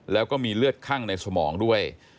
แล้วก็มีเลือดคั่งในสมองด้วย